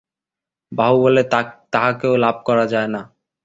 বাহুবলেও তাঁহাকে লাভ করা যায় না।